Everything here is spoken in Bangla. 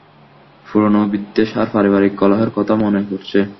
পুরনো বিদ্বেষ আর পারিবারিক কলহের কথা মনে পরছে!